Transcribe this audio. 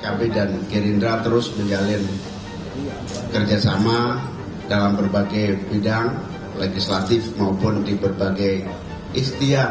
kami dan gerindra terus menjalin kerjasama dalam berbagai bidang legislatif maupun di berbagai istia